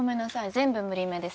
全部無理めです。